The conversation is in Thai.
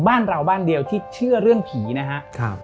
บ้านเราบ้านเดียวที่เชื่อเรื่องผีนะครับ